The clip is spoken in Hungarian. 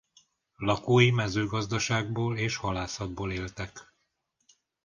Lakói mezőgazdaságból és halászatból éltek.